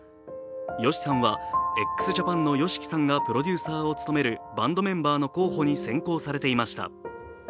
ＹＯＳＨＩさんはＸＪＡＰＡＮのＹＯＳＨＩＫＩさんがプロデューサーを務めるバンドメンバーの候補に選考されていました。